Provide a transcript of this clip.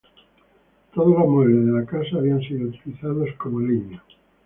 Todos los muebles de la casa habían sido utilizados como leña.